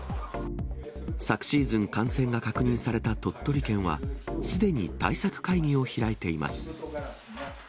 昨シーズン、感染が確認された鳥取県は、すでに対策会議を開いています。